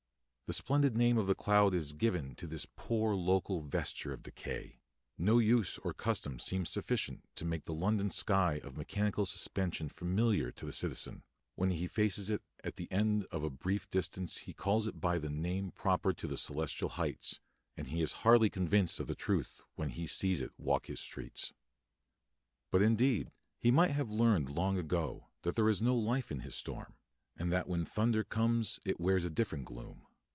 The splendid name of the cloud is given to this poor local vesture of decay; no use or custom seems sufficient to make the London sky of mechanical suspension familiar to the citizen; when he faces it at the end of a brief distance he calls it by the names proper to the celestial heights, and he is hardly convinced of the truth when he sees it walk his streets. But, indeed, he might have learned long ago that there is no life in his storm, and that when thunder comes it wears a different gloom.